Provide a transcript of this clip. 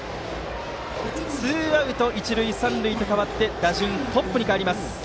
ツーアウト、一塁三塁と変わって打順、トップにかえります。